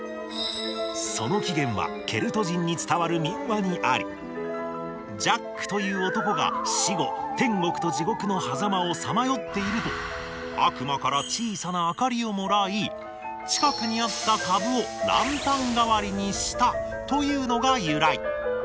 その起源はケルト人に伝わる民話にありジャックという男が死後天国と地獄のはざまをさまよっていると悪魔から小さな明かりをもらい近くにあったカブをランタン代わりにしたというのが由来。